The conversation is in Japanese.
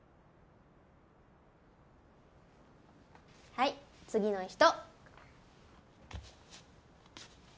はい次の人。